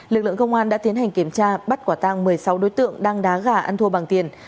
lực lượng công an đã tiến hành kiểm tra bắt quả tang một mươi sáu đối tượng đang đá gà ăn thua bằng tiền